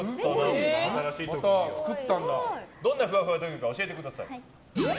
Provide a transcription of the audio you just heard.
どんなふわふわ特技か教えてください。